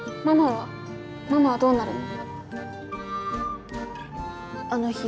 ママはどうなるの？